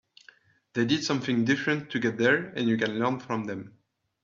They did something different to get there and you can learn from them.